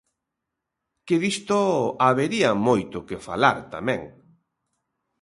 Que disto habería moito que falar tamén.